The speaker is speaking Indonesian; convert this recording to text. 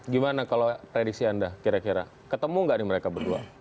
gimana kalau prediksi anda kira kira ketemu nggak nih mereka berdua